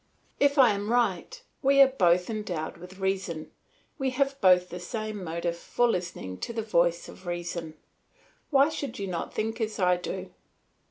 If I am right, we are both endowed with reason, we have both the same motive for listening to the voice of reason. Why should not you think as I do?